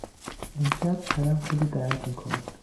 امشب سرم خیلی درد میکند.